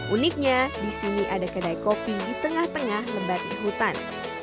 uniknya di sini ada kedai kopi di tengah tengah lembati hutan